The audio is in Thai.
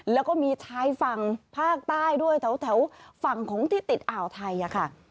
แล้วก็มีชายฝั่งภาคใต้ด้วยแถวฝั่งของที่ติดอ่าวไทยค่ะ